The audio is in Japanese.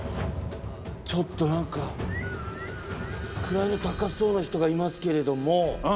ちょっと何か位の高そうな人がいますけれども。